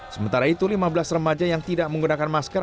sementara itu lima belas remaja yang tidak menggunakan masker